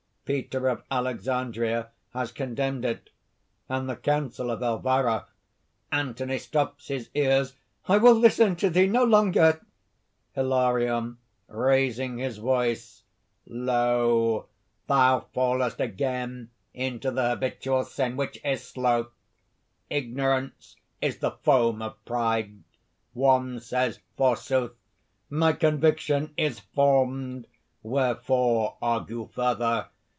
Peter of Alexandria has condemned it; and the council of Elvira...." ANTHONY (stops his ears). "I will listen to thee no longer!" HILARION (raising his voice). "Lo! thou fallest again into the habitual sin, which is sloth! Ignorance is the foam of pride. One says, forsoth: 'My conviction is formed! wherefore argue further?'